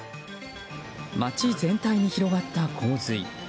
街全体に広がった洪水。